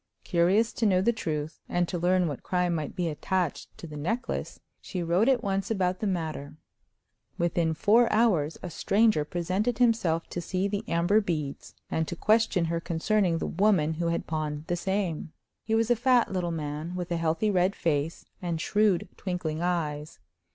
Curious to know the truth, and to learn what crime might be attached to the necklace, she wrote at once about the matter. Within four hours a stranger presented himself to see the amber beads, and to question her concerning the woman who had pawned the same. He was a fat little man, with a healthy red face and shrewd twinkling eyes.